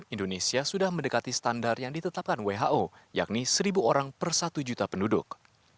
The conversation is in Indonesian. indonesia sudah mendekati standar yang ditetapkan who yakni seribu orang per satu juta penduduk